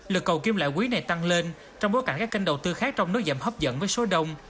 lực cầu kiếm lãi quý này tăng lên trong bối cảnh các kênh đầu tư khác trong nốt dạm hấp dẫn với số đông